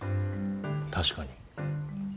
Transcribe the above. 確かに。